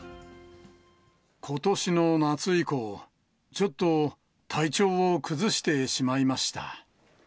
ことしの夏以後、ちょっと体調を崩してしまいました。